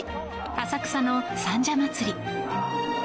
浅草の三社祭。